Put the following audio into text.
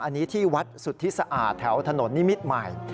อันนี้ที่วัดสุดที่สะอาดแถวถนนนิมิตมาย